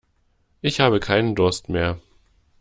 Ich habe keinen Durst mehr.